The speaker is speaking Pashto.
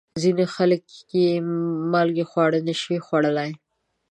ځینې خلک بې مالګې خواړه نشي خوړلی.